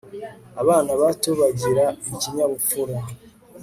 abana bato bagira ikinyabupfura